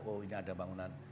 oh ini ada bangunan